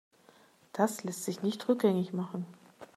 Das lässt sich nicht rückgängig machen.